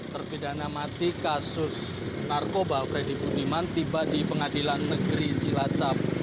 terpidana mati kasus narkoba freddy budiman tiba di pengadilan negeri cilacap